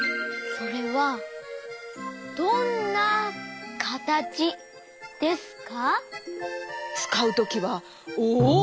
それはどんなはたらきですか？